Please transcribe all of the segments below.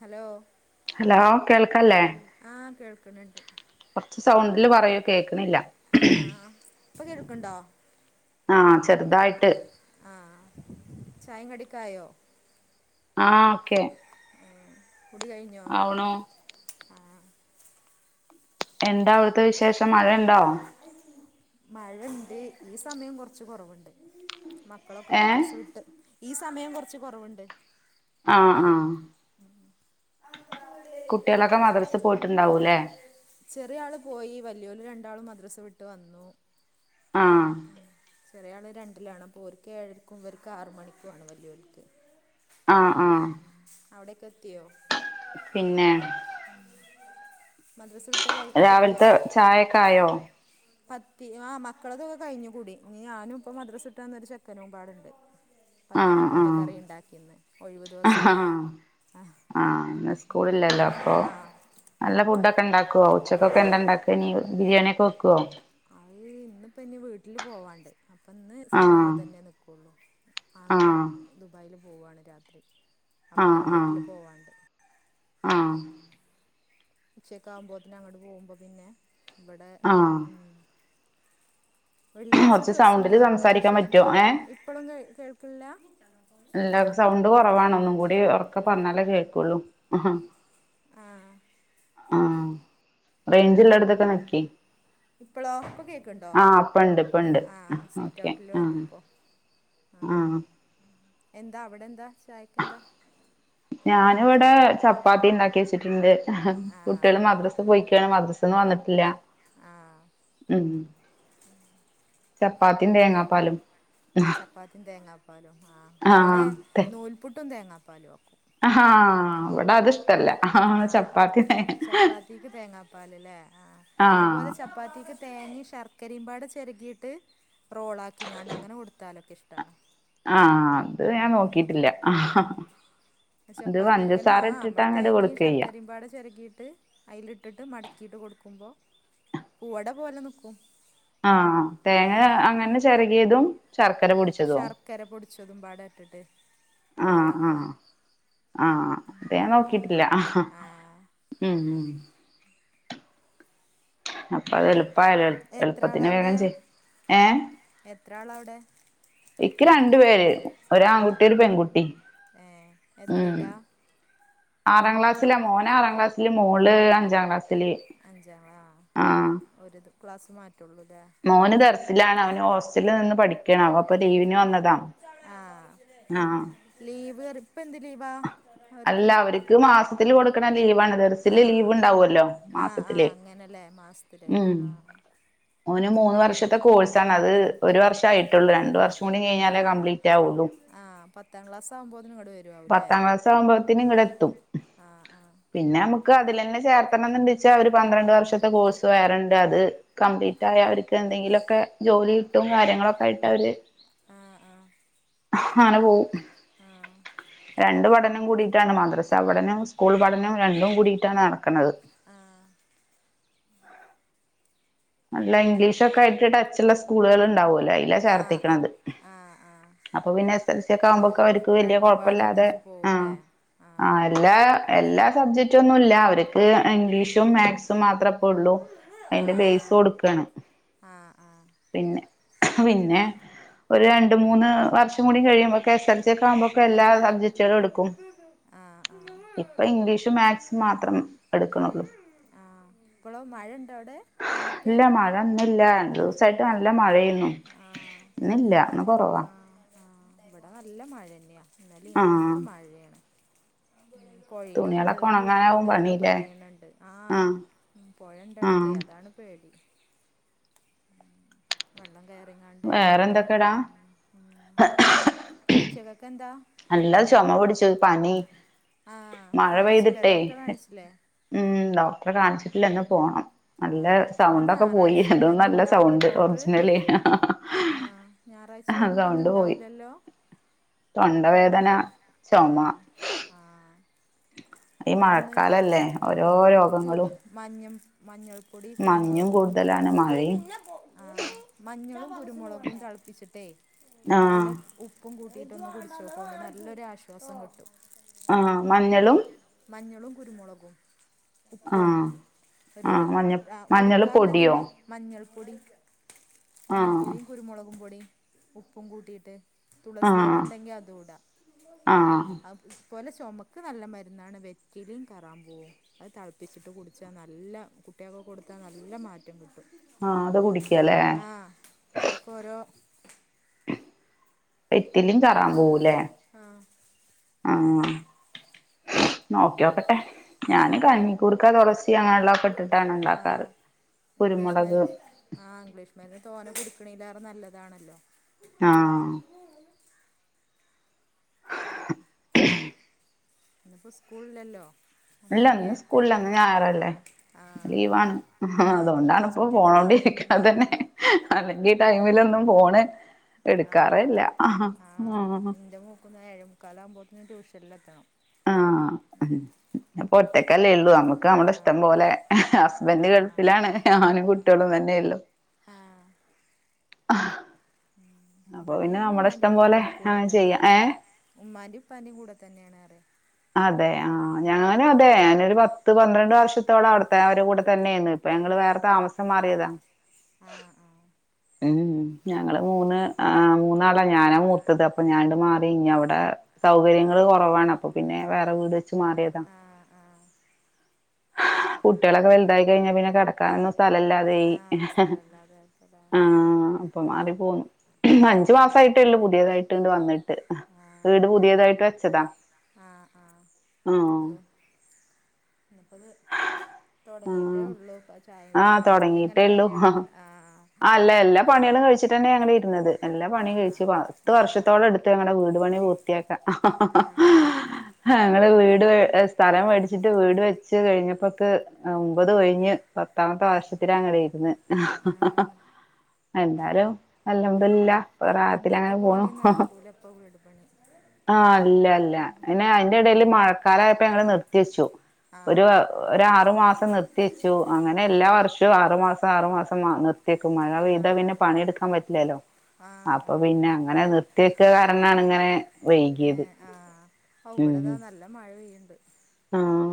Hello hello കേൾക്കല്ലേ ആഹ് കേൾക്കണണ്ട് കുറച്ച്ു സൗണ്ടില് പറയോ കേക്കണില്ല ആഹ് ഇപ്പൊ കേടുക്കണ്ടോ ആഹ ചെറുതായിട്ട് ആഹ ചായ കടിക്കായോ ആ ഓക്കെ ആ കുട കഴിഞ്ഞോ അണോ എന്താ വിശേഷം മഴയുണ്ടോ മഴുണ്ട് ഈ സമയം കൊറച്ച് കുറവുണ്ട് മക്കളൊക്കെ ഏഹ് മദ്രസ് വിട്ട് ഈ സമയം കൊറച്ച് കൊറവുണ്ട് ആഹ ആഹ ഉ അ [unintelligible] കുട്ടികളൊക്കെ മദ്രൽ പോയിട്ടുണ്ടാവൂല്ലേ ചെറിയ ആള് പോയി വലിയോല രണ്ടാളും മദ്രസ വിട്ട് വന്നു ആഹ ആ ചെറിയയാള് രണ്ടിലാണ് അപ്പോൊ ഒക്ക് ഏഴരക്ക മുമ്പ്ക്ക് ആറ മണിക്കു ആണ് വല്ലിയൊളക്ക് ആ ആഹ അവിടെക്കെ എത്തിയോ പിന്നെ മദ്രസ് വിടുട്ട ക രാവിലത്തെ ചായയൊക്കെ ആയോ പത്തി ആ മക്കളതൊക്കെ കഴിഞ്ഞു കൂടി ഇ ഞാനും ഇപ്പ മദ്രസ് ഇട്ടാന്നൊരു ചെക്കനുംുമമ്പാടുണ്ട് ആഹ് പത്തിരി മുട്ടക്കറി ഉണ്ടാക്കിന്ന് ഒഴിവു ദിവസല്ല ആഹ ഇന്ന് സ്കൂളില്ലല്ലോ അപ്പൊ നല്ല ഫുഡ ഒക്കെ ഉണ്ടാക്കുവോ ഉച്ചക്കൊക്കെ എന്താണ്ടാക്ക ഇനി ബിരിയാണിയ ഒക്കെ വെക്കുവോ അത് ഇന്നിപ്പ ഇനി വീട്ടില് പോവാണ്ട് അപ്പൊ ഇന്ന് സാദാ ആഹ് തന്നെ നക്കുള്ളു ങ്ങള്െ ആഹ് ദുബായിൽ പോവുവയാണ് രാത്രി അപ്പ ആഹ് അങ്ങനെ ആഹ് വീട്ടിൽ പോവണ്ട് ആഹ് ഉച്ചക്ക ആകുമ്പോത്തെ അങ്ങോട്ട് പോവുമ്പോ പിന്നെ ഇവിടെ ആഹ് ഉ വെള്ളിയാഴ്ച കൊറച്ച് സൗണ്ടില് ദിവസംപോലെ സംസാരിക്കാൻ പറ്റോ ശനി ഏ ഇപ്പഴും കേ കേൾക്കില്ല എല്ല സൗണ്ട് കുറവാാണ് ഒന്നും കൂടി ഉറക്കെ പറഞ്ഞാലേ കേൾക്കുള്ളൂ ആ ആഹ ആ റേഞ്ചള്ളടത്തൊക്കെ നക്കി ഇപ്പളോ ഇപ്പൊ കേക്ക്ണ്ടോ ആഹ അപ്പൊ ഉണ്ട് ഇപ്പണ്ട് ആ സിറ്റ് ഓക്കെ ഔട്ടില് ആ വന്നപ്പോ ആ ഉം എന്താ അവിടെ എന്താ ചായക്ക്െന്താ ഞാനിവിടെ ചപ്പാത്തി ഉണ്ടാക്കി വെച്ചിട്ടുണ്ട് ആ കുട്ടികള് മദ്രസ പോയിക്കാണ് മദ്ര വന്നിട്ടില്ല ആഹ ഉം [unintelligible] ഉ [unintelligible] ചപ്പാത്തി തേങ്ങാപ്പാലും ചപ്പാത്തിും തേങ്ങാപ്പാലും ആ ഇവിടെ ആഹ് നൂൽപുട്ടും തേങ്ങാപ്പാലുംൊക്കെ ഹാ അവിടെ അത്ഷ്ടല്ല ആ ചപ്പാത്തി ചപ്പാത്തിക്ക് ആഹ ചപ്പാത്തിക്കെ തേങ്ങി ശർക്കരയും പാട് ചെരുകിയിട്ട് റോൾ ആാക്കിങ്ങാണ്ട് അങ്ങനെ കൊടു കാലൊക്കെ ഇഷ്ടമാണ് ആഹ അത് ഞാൻ നോക്കിട്ടില്ല ആഹ് അത് ചപ്പാത്തിക്കന്നെ പഞ്ചസാര ആ ഇട്ടിട്ട് നമ്മള് അങ്ങട് തേങ്ങയും കൊടുക്കയ്യ ശർക്കരയും പാട ചിരക്കിയിട്ട് അതിലിട്ടിട്ട് മടക്കിയിട്ട് കൊടുക്കുമ്പോൾ പൂവട പോലെ നിൽക്കും ആഹ തേങ്ങ അങ്ങനെ ചെറുകിയതും ശർക്കര പൊടി ശർക്കര പൊടിച്ചു അതും പാട ഇട്ടിട്ട് റോളാക്കുക ആഹ അത ൻ നോക്കിട്ടില്ല ആഹ് ഉം ഉ അപ്പൊ അത് എളുപ്പ ആല്ലോ എത്ര ആളാ എളുപ്പത്തിന് അവിടെ വേഗം ചെയ്യ എത്ര ആളവിടെ എക്ക് രണ്ടു പേര് ഒ ആൺകുട്ടി ഒരു പെൺകുട്ടി ഏഹ് ഉം എത്രയിലാ ആറാം ക്ലാസ്സില മോന ആറാം ക്ലാസ്സിില് മോള് അഞ്ചാം ക്ലാസ്സിില് അഞ്ചാാ ഒരുത് ക്ലാസ്സ് മാറ്റുള്ളൂ അല്ലേ മോന് െർസിലാണ് അവന് ഹോസ്റ്റലിൽ നിന്ന് പഠിക്കണാവോ അപ്പൊ ലീവിന് വന്നതാ ആഹ ആഹ് ലീവ് ഇപ്പ എന്ത് ലീവാ അല്ല അവർക്ക് മാസത്തില്ൽ കൊടുക്കണം ലീവാണ് തെർസിില് ലീവ് ഉണ്ടാവല്ലോ ആ ആ അങ്ങനെയല്ലേ മാസത്തില്ൽ ആ ന്ു മൂന്ന് വർഷത്തെ കോഴ്സ് ആണ് അത് ഒരു വർഷം ആയിട്ടുള്ളൂ രണ്ട് വർഷം കൂടി കഴിഞ്ഞാലേ കംപ്ീറ്റ് ആവുള്ളു ആ പത്താം ക്ലാസ് ആകുമ്പോതിനന് കടി വരും പത്താം ക്ലാസ് ആകഭവത്തിന് ഇങ്ങടെ എത്തും ആഹ് ആഹ് പിന്നെ നമുക്ക് അതിലന്നെ ചേർത്തണംന്ന്ണ്ടെച്ചാ അവര് പന്ത്രണ്ട് വർഷത്തെ കോഴ്സ് വേറണ്ട് അത് കംപ്ലീറ്റ് ആ അവർക്ക് എന്തെങ്കിലുമൊക്കെ ജോലി കിട്ടും കാര്യങ്ങളൊക്കെ ആയിട്ട് അവര് ആഹ ആഹ ആന പോകവും ആഹ രണ്ട പഠനം കൂടിയിട്ടാണ് മദ്രസാ പഠനം സ്കൂൾ പഠനവും രണ്ടും കൂടിയിട്ടാണ് നടക്കണുന്നത് ആഹ നല്ല ഇംഗ്ലീഷ ഒക്കെ ആയിട്ട് ടച്ചുള്ള സ്കൂളുകൾ ഉണ്ടാവുമല്ലോ അല്ല ആഹ് ആഹ് ആഹ് ചേർത്തിക്കണത് ആഹ് ആഹ് അപ്പൊ പിന്നെ എസ് എൽ സി ഒക്കെ ആവുമ്പോക്കെ അവർക്ക് വലിയ രണ്ടുംപാടെ കുഴപ്പല്ലാതെ ഒന്നിച്ചു ആഹ പോവുല്ലേ ആ ആഹ് എല്ലാ എല്ലാ സബ്ജക്ട ഒന്നുംല്ല അവർക്ക് ഇംഗ്ലീഷും മാത്സും മാത്രപ്പ ഉള്ളൂ അതിന്റെ ബേസ് കൊടുക്കാണ് ആഹ ആ പിന്നെ പിന്നെ ഒരു രണ്ട് മൂന്ന് വർഷം കൂടി കഴിയ്പോൊക്ക എസ് എൽ സി ഒക്കെ ആുമ്പോൊക്കെ എല്ലാബ്ജക്ടുകളുംടുക്കും ആഹ് ആഹ ഇപ്പൊ ഇംഗ്ലീഷ് മാത്സ മാത്രം എടുക്കണള്ളു ഇപ്പോള മഴ ഉണ്ടോ അവിടെ ഇന്നൊക്കെ നല്ല മഴ ഇന്നില്ല ദിവസായിട്ട് നല്ല മഴയന്നുന്നു ആഹ് ഇന്നില്ല ഒന്ന് കുറവാ ആഹ് ആഹ് ഇവിടെ നല്ല മഴ തന്നെയാ എന്നാലും എന്നൊക്കെ ആഹ് മഴയാണ് ഉ പുഴയിലൊക്കെ തുണികളൊക്കെ വെള്ളം ഉണങ്ങാനാവും കൂടണണ്ട് എന്നൊക്കെ പണില്ലേ പറയണണ്ട് ആ ആഹ് പുഴണ്ട അടുത്തേ ആഹ് അതാണ് പേടി വെള്ളം കയറങ്ങാണ്ട് മുതൽ വേറെന്തൊക്കെടാ ഉ ഇനി ഉച്ചക്കൊക്കെ എന്താ നല്ല ചുമ പൊടിച്ചു പനി ആ മഴ കാണിച്ചില്ലേ പെയ്തിട്ടേ ഡോക്ടറെ കാണിച്ചില്ലേ ഉം ഡോക്ടറെ കാണിച്ചിട്ടില്ലന്ന് പോണം നല്ല ആഹ് ഇന്ന് സൗണ്ടൊക്കെ പോയി ഞായറാഴ്ചയല്ലേ അതും ഇന്ന് നല്ല ഇണ്ടാവോ സൗണ്ട് ഡോക്ടറ് ഒറിജിനല ആഹ് ഞായറാഴ്ചയാവുമ്പോ ഒന്നും ഉണ്ടാവില്ലല്ലോ കേട്ടോ തൊണ്ടവേദന ആ ചുമ ആഹ ഈ ആ ഒന്ന് മഴക്കാലല്ലേ ഓരോ ആ കു രോഗങ്ങളും മഞ്ഞും മഞ്ഞൾപ്പൊടി മഞ്ഞും കുരുമുളകും കൂടുതലാണ് മഴയും പിന്നെ ആ മഞ്ഞളും കുരുമുളകും തിളപ്പിച്ചിട്ടെ ആഹ് ഉള്ള് ഉപ്പ് ഉപ്പും കൂട്ടിയിട്ടൊന്ന് കുടിച്ചച്ച് നോക്കും അ നല്ലൊരുരാശ്വാസം കിട്ടും ആ ല്ലേ മഞ്ഞളും മഞ്ഞളും കുരുമുളകും ഉപ്പു ആഹ് ഒരു ആഹ് മഞ്ഞ മഞ്ഞള് പൊടിയോ കുടിക്കാറുള്ളതിന് മഞ്ഞൾപ്പൊടി ആഹ് മഞ്ഞൾപ്പൊടിയും കുരുമുളകും പൊടിയും ഉപ്പും കൂട്ടിയിട്ട് തുളസിെല്ല ആഹ് ഉണ്ടെങ്കിൽ അതൂടാ ആഹ് ഇപോലെ ചുമക്ക് നല്ല മരുന്നാണ് വ കരിം കാരാബോ അത് തിളപ്പിച്ചിട്ട് കുടിച്ചാൽ നല്ല കുട്ടികൊക്കെ കൊടുത്താൽ നല്ല മാറ്റം കിട്ടും ആഹ അത് കുടിക്കല്ലേ ആ അതൊക്കെ ഓരോ പെറ്റിലും കറാൻ പോലേ ആ ആ നോക്കിയോ പട്ടെ ആ ഞാന് ആ കഞ്ഞിക്കൂർക്ക തുളസിിയ അങ്ങനെയുള്ളൊക്കെ ഇട്ടിട്ടാണ് ആ ഉണ്ടാക്കാറ് ഇംഗ്ലീഷ് മേ കുരുമുളക് ആ ഇംഗ്ലീഷ് മേരുന്ന് തോന്നെ പിടുക്കണല്ലാറെ നല്ലതാണല്ലോ ആഹ [unintelligible] [unintelligible] [unintelligible] ഇിപ്പോ സ്കൂളിലല്ലോ ഇല്ലന്ന് സ്കൂളിൽന്ന് ഞായറല്ലേ ആ ലീവാണ് ആ ഇനിയിപ്പോൾ അതുകൊണ്ടാണ് ഇപ്പൊ ഹോസ്പിറ്റലിൽ പോണംണ്ട നാളെയല്ലേ ഇരിക്ക തന്നെ ഉണ്ടാവുള്ളൂ അല്ലെങ്കിൽ ടൈമിലൊന്നും ഫോണ് ആ എടുക്കാറല്ല ആ എൻ്റെ മൂക്കുന്ന എഴുക്കാലക്പോത്തന്ന് ട്യഷൽെത്തണം ആഹ അപ്പൊ ഒറ്റക്കല്ലേ ഉള്ളൂ നമ്മുക്ക് നമ്മുടെ ഇഷ്ടം ആഹ് പോലെ ഹസ്ബൻഡ് കൾഫിലാണ് ഞാനും കുട്ടികളും തന്നെയള്ളോ ആഹ അപ്പൊ ഇവിടെ പിന്നെ ഞാൻ നമ്മുടെ ഉമ്മാന്റെ ഇഷ്ടം പോലെ അങ്ങനെ ചെയ്യാം ഏഹ ഉമ്മാന്റെയും ഉപ്പാന്റെയും കൂടെ തന്നെയാണ് റ അതെ ആ ഞങ്ങനെ അല്ലെ ഞാനൊരു പത്ത് പന്ത്രണ്ട് വർഷത്തോളം അവിടുത്തെ അവരു കൂടെ തന്നെയായിരുന്നു ഇപ്പൊ ഞങ്ങള്ൾ വേറെ താമസം മാറിയതാ ആഹ ആ ഉ ഞങ്ങള് മൂന്ന്് മൂന്നാളാ ഞാനാ മൂർത്തത് അപ്പൊ ഞാനിണ്ട് മാറി ഇനി അവിടെ സൗകര്യങ്ങള്ൾ കുറവാണ് അപ്പൊ പിന്നെ വേറെ വീട് വെച്ച് മാറിയതാ ആഹ് കുട്ടികളൊക്കെ വലുതായി കഴിഞ്ഞാ പിന്നെ കിടക്കാനൊന്നും സ്ഥല ഇല്ലാതെ ആഹ് ആഹ് സ്ഥലല്ലാതെ ആക്കലാ ആഹ അപ്പൊ മാറി പോന്നു അഞ്ചു ആഹ് മാസയിട്ടേള്ളൂ പുതിയതായിട്ട്ണ്ട് വന്നിട്ട് വീട് പുതിയതായിട്ട് വെച്ചതാ ആഹ ആഹ ആ അതോ ഇപ്പത് തുടങ്ങിയിട്ടേ ആ ഉള്ളൂ ചായ ആഹ് ചായ കുൊടി ഇങ്ങനെ തൊടങ്ങിട്ടേള്ളൂ കഴിഞ്ഞിട്ട ആഹ് ആ അല്ല എല്ലാ പണികും കഴിച്ചിട്ടാണ് ഞങ്ങൾ ഇരുന്നത് എല്ലാ പണി ആഹ് കഴിച്ചച്ച്ു പത്ത് ആഹ് ആഹ് വർഷത്തോടെടുത്ത് എങ്ങടെ വീട് പണി പൂ ആഹ് ഞ വീട് വട് പണി സ്ഥലം മേടിച്ചിട്ട് വീട് വെ [unintelligible] ച്ച് കഴിഞ്ഞപ്പോക്ക് മുമ്പത് കഴിഞ്ഞഞ് പത്താമത്തെ വർഷത്തി അങ്ങടെ ഇരുന്ന് ആഹ് ആഹ് എല്ലാരും അല്ലതല്ല അന്നത്തെ പോലെയ നടക്കൂല അപ്പൊ വീട് പണി ആഹ അല്ല അല്ല പിെ അതിറെ ഇടൽ മഴക്കാലമായപ്പോ ഞങ്ങെ നിർത്തി വെച്ചു ഒരു ആഹ് ഒ ആറു മാസം നിർത്തി വെച്ചു അങ്ങനെ എല്ലാ ആഹ് വർഷവും ആറുമാസം ആറുമാസം നിർ ക്കും മഴ ഇതാ പിന്നെ ആഹ് പണിയെടുക്കാൻ പറ്റില്ലല്ലോ ആഹ് അപ്പൊ ആഹ് പിന്നെ അങ്ങനെ നിർത്തിയക്കെ കാരണണ ഇങ്ങനെ വൈകിയത് ഏഹ് ആഹ് ഔ ഇവിടെതാ ഉം നല്ല മഴ പെയ്യുണ്ട് ആഹ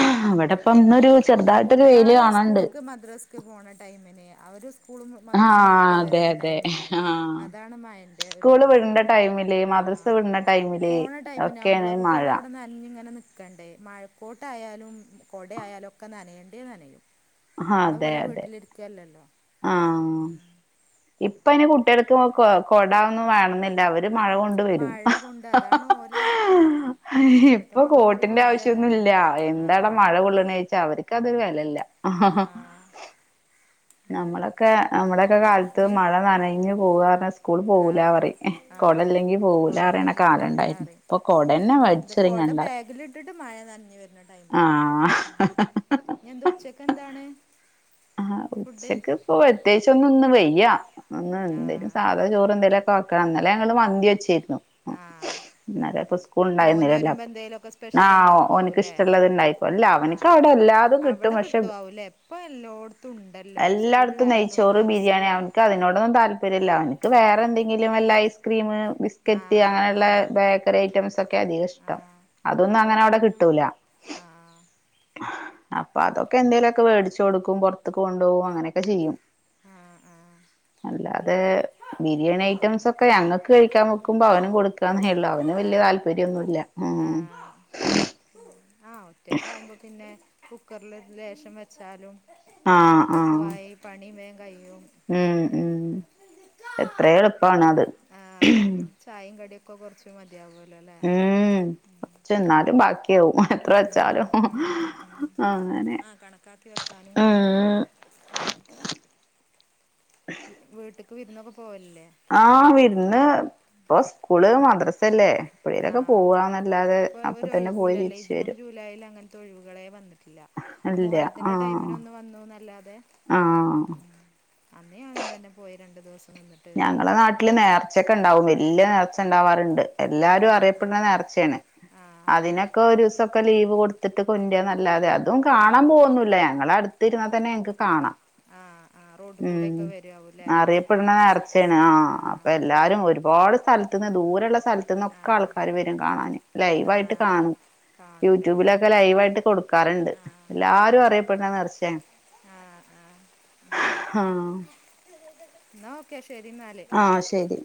നല്ല മൂടിക്കറുത്ത് ഇന്നൊരു നിൽക്കുക ചെറുതായിട്ടൊരു വെയില് കുട്ടികൾ കാണാണ്ട് സ്കൂൾക്ക് മദ്രാസ്ക്ക് പോകണ ടൈമിനെ അവ ഒരു സ്കൂളും മദ്രസും ആഹ് വിട്ട് അതെ വരുന്ന അതെ ടൈമിന് ആഹ് അതാണ് മയ്റെ ഒരു സ്കൂള് വിടണ്ട ടൈമില് മദ്രസ ആഹ വിടണ ടൈമില് പോണ ടൈമിന ആവുമ്പോള ഒക്കെയാണ് മഴ കുട്ടികൾ അവിട കുഞ്ഞിങ്ങനെ നൽക്കണ്ടേ മഴക്കോട്ടായയാലും കൊടയാലും ഒക്കെ നനയേണ്ടേ നനയും നമ്മളെ പോലെ വീട്ടിലിരിക്കുവല്ലല്ലോ. ആഹ ഇപ്പ അന് കുട്ടികൾക്ക് കൊ കൊടാൊന്നും വേണെന്നില്ല അവര് [unintelligible] മഴ കൊണ്ട് വരും മഴ കൊണ്ട് അതാണ് ഓലെ ആഹ് ഇപ്പത്തെ ഇപ്പൊ മക്കളൊരു കോട്ടിന്റെ ഹോബി ആവശ്യംൊന്നുമ അതാണ് ഇല്ല എന്താടാ ആഹ് മഴ. കൊള്ളണ ചോച്ചാ അവർക്ക് അതൊരു കാലല്ല. ആഹ് നമ്മളൊക്കെ നമ്മള. ഇക്ക കാലത്ത് ഇഞ്ഞ് മഴ നനഞ്ഞു പോവ പറ സ്കൂൾ പോകൂില്ല പറ ആഹ് ആഹ് കൊടല്ലെങ്കിൽ. പോൂലാറിയണ കൊടല്ലെങ്കി കാലംുണ്ടായിരുന്നു പോവൂലാറിം ഇപ്പൊ കൊടന്നെ ഇത് മടിച്ചെറങ്ങ കൊട കണ്ടാൽ. ബാഗിലിട്ടിട്ട് മഴ നനഞ്ഞ് വരുന്ന എന്താ ആഹ് ഉച്ചക്കെ എന്താണ്? ആ ഫുഡ് ഉച്ചക്ക് ഇപ്പോ അത്യാശിച്ച ഒന്ന് ഒന്ന് വയ്യ ഒന്ന് എന്തേലും. ആഹ് സാധാ ചോറ് എന്തേലുമൊക്കെ വക്കണം എന്നന്നല്ല ഞങ്ങള് മന്തി വെച്ചിായിരുന്നു. ആഹ മോന് ഉണ്ടായിരുന്നില്ലല്ലോ വരുമ്പോ അപ്പൊ എന്തെലുമൊക്കെ സ്പെഷ്യൽ ആഹ് ഓനിക്ക് ഉണ്ടാക്കാവൂല്ലേ? ഇഷ്ടമുള്ളത് ഉണ്ടായിക്കോ അല്ല അവനിക്ക് ആഹ് അവിടെ എല്ലാതും കിട്ടും അവിടെ പക്ഷെ കിട്ടുംവൂല എപ്പ എല്ലായിടത്തും ഉണ്ട്. എല്ലായിടത്തും ന്ച്ചോറ് ബിരിയാണി അവക്ക് അതിനോടൊന്നും താല്പര്യം. തല്ര്യല്ല എനിക്ക് വേറെ ആഹ് എന്തെങ്കിലും അല്ല ഐസ്ക്രീം. ആ ബിസ്ക്കറ്റ് ആ അങ്ങനെയുള്ള ബേക്കറി ഐറ്റംസ് ഒക്കെ അധികം ആ ഇഷ്ടം. അതൊന്നും ഓ അങ്ങനെ അവിടെ കിട്ടൂല ആ ആ അപ്പൊ അതൊക്കെ എന്തേലുമൊക്കെ മേടിച്ചു. കൊക്കും പുറത്തക്ക് കൊണ്ടുപകും അങ്ങനെയൊക്കെ ചെയ്യും. ആ അല്ലാതെ ബിരിയാണി ഐറ്റംസ് ഒക്കെ ഞങ്ങൾക്ക് കഴിക്കാൻ. ുമ്പ അവനും കൊടുക്കുകന്നേുള്ളൂ അവന് വല്ിയ ആ താല്പര്യംൊന്നുമല്ല ഉ. ആ ആ ഉറ്റക്ക ആകുമ്പോൾ പിന്നെ കുക്കറിൽ ലശം വെച്ചാലും ആഹ് ആഹ് മക്കൾക്കമായി. പണ വേങ്കും. ഉം ഉം എത്ര എളുപ്പാണ് അത് ആഹ. ചായയും കടിയൊക്കെ കുറച്ച് മതിയാവുമല്ലോ അല്ലേ. ഉം കൊറച്ചെന്നാലും ബാക്കിയവുംും എത്ര വെച്ചാലും. അങ്ങനെ ആഹ കണക്കാക്കി വെക്കാനും കഴിയൂലല്ലോ ഉം വീട്ടേക്ക് വിരുന്നൊക്കെ പോവലല്ലേ ആഹ് വിരുന്ന് ഇപ്പൊ സ്കൂള് മദ്രസ അല്ലേ ആഹ ഇപ്പൊ ഒരു പോയി ഒഴിവൂില്ല അല്ലെ തിരിച്ച് ജൂൺ വരും ജൂലൈൽ അങ്ങനത്തെ ഒഴിവുകളെ വന്നിട്ടില്ല ആ ഇല്ല മുഹറത്തിന്റെ ആഹ് ടൈമിനൊന്ന വന്നുന്നല്ലാതെ ആഹ് ഉ അന്നേ ആണും തന്നെ പോയി രണ്ടണ്ട് ദിവസം നിന്നിട്ട് ഞങ്ങളെ നാട്ടില് നേർച്ചൊക്കെ ഉണ്ടാവും വലിയ നേർച്ച ഉണ്ടാവാറുണ്ട് എല്ലാരും ആഹ് അറിയപ്പെടുന്ന ആഹ് നേർച്ചയാണ് ആഹ് അതിനൊക്കെ ഒരു ഒക്കെ ലീവ് കൊടുത്തിട്ട് കൊന്യാ നല്ലാതെ അതും കാണാൻ ആഹ് പോകന്നില്ല ഞങ്ങളെ അടുത്ത് ഇരുന്നാൽ തന്നെ ങ്ങക്ക് കാണാം [unintelligible] ആഹ് ആ് റോഡ് കൂടെൊക്കെ വരവൂല്ലേ ഇടുന്ന നേർച്ചയാണ് ആ അപ്പൊ എല്ലാവരും ഒരുപാട് സ്ഥലത്തു നിന്ന് ദൂരള്ള സ്ഥലത്തു നിന്നൊക്കെ ആഹ് ആൾക്കാർ വര ലൈവായിട്ട് ആഹ് കാണും കാണൂലേ യൂട്യൂബിലൊക്കെ ആഹ് ലൈവയിട്ട് കൊടുക്ക കറണ്ട് എല്ലാരും അറിയപ്പെടുന്ന തീർച്ചയായ ഉം ഉ. ആഹ എന്ന ഓക്കെ ശരി എന്നല്േ ആ ശരി